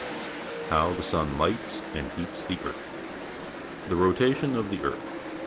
HOW THE SUN LIGHTS AND HEATS THE EARTH The Rotation of the Earth.